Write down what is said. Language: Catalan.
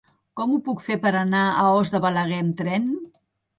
Com ho puc fer per anar a Os de Balaguer amb tren?